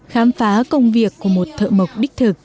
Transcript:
khám phá công việc của một thợ mộc đích thực